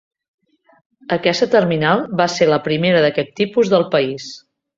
Aquesta terminal va ser la primera d'aquest tipus del país.